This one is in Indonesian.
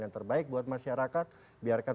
yang terbaik buat masyarakat biarkan